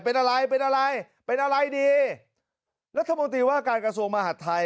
เป็นอะไรเป็นอะไรเป็นอะไรดีรัฐมนตรีว่าการกระทรวงมหาดไทย